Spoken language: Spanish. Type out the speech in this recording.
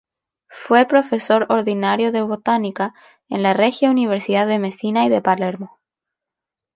Fue profesor ordinario de Botánica en la "Regia Universidad de Mesina y de Palermo.